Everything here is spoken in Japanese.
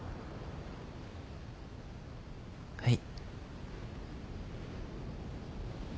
はい。